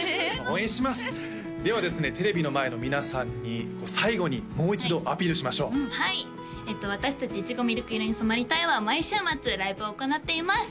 応援しますではですねテレビの前の皆さんに最後にもう一度アピールしましょうはい私達いちごみるく色に染まりたい。は毎週末ライブを行っています